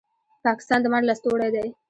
پاکستان د مار لستوڼی دی